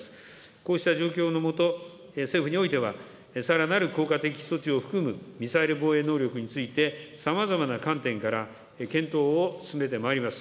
こうした状況の下、政府においては、さらなる効果的措置を含むミサイル防衛能力について、さまざまな観点から、検討を進めてまいります。